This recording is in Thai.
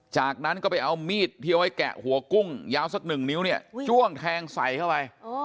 จากนั้นก็ไปเอามีดที่เอาไว้แกะหัวกุ้งยาวสักหนึ่งนิ้วเนี่ยจ้วงแทงใส่เข้าไป